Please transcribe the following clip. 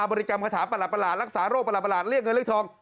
ริกรรมคาถาประหลาดรักษาโรคประหลาดเรียกเงินเรียกทอง